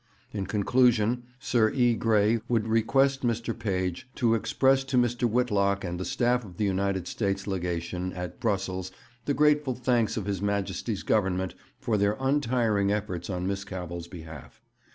'In conclusion, Sir E. Grey would request Mr. Page to express to Mr. Whitlock and the staff of the United States Legation at Brussels the grateful thanks of His Majesty's Government for their untiring efforts on Miss Cavell's behalf.